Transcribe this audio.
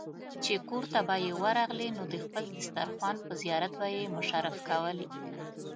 چې کورته به ورغلې نو د خپل دسترخوان په زيارت به يې مشرف کولې.